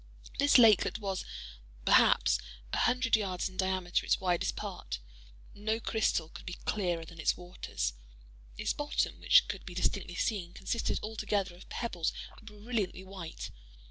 This lakelet was, perhaps, a hundred yards in diameter at its widest part. No crystal could be clearer than its waters. Its bottom, which could be distinctly seen, consisted altogether, of pebbles brilliantly white.